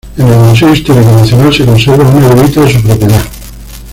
En el Museo Histórico Nacional se conserva una levita de su propiedad.